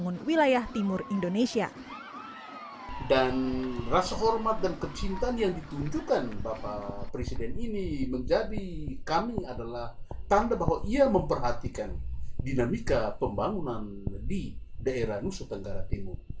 oh iya memperhatikan dinamika pembangunan di daerah nusa tenggara timur